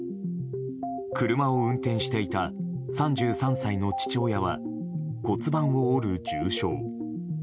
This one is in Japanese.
車を運転していた３３歳の父親は骨盤を折る重傷。